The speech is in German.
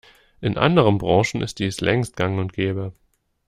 In anderen Branchen ist dies längst gang und gäbe.